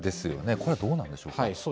これはどうなんでしょうか。